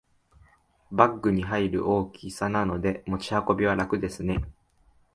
バッグに入る大きさなので持ち運びは楽ですね